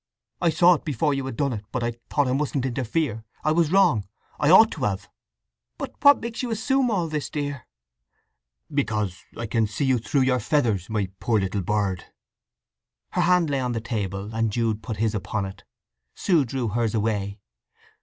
I saw it before you had done it, but I thought I mustn't interfere. I was wrong. I ought to have!" "But what makes you assume all this, dear?" "Because—I can see you through your feathers, my poor little bird!" Her hand lay on the table, and Jude put his upon it. Sue drew hers away.